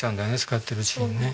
使ってるうちにね。